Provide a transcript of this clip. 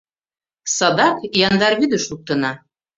Садак яндар вӱдыш луктына».